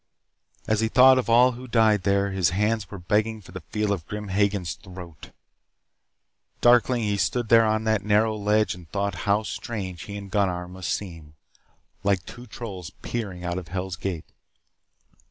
As he thought of all who had died there, his hands were begging for the feel of Grim Hagen's throat. Darkling he stood there on that narrow ledge and thought how strange he and Gunnar must seem. Like two trolls peering out of Hell's Gate.